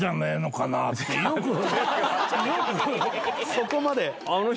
そこまで？